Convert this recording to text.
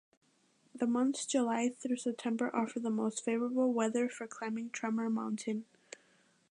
The months July through September offer the most favorable weather for climbing Tremor Mountain.